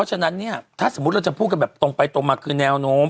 ฉะนั้นเนี่ยถ้าสมมุติเราจะพูดกันแบบตรงไปตรงมาคือแนวโน้ม